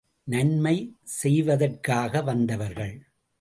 நன்மை செய்வதற்காக வந்தவர்கள்.